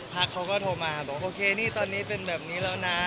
เขาก็โทรมาบอกโอเคนี่ตอนนี้เป็นแบบนี้แล้วนะ